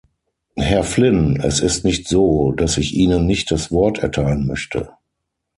Herr Flynn, es ist nicht so, dass ich Ihnen nicht das Wort erteilen möchte.